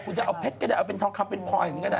คุณจะเอาเพชรก็ได้เอาเป็นทองคำเป็นพลอยอย่างนี้ก็ได้